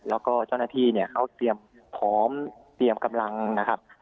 แล้วก็เจ้าหน้าที่เนี่ยเขาเตรียมพร้อมเตรียมกำลังนะครับ